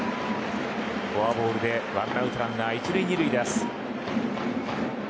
フォアボールで１アウトランナー１塁２塁です。